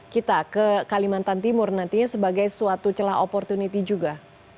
kita ke kalimantan timur nantinya sebagai suatu celah opportunity juga